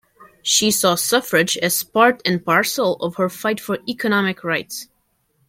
She saw suffrage as part and parcel of her fight for economic rights.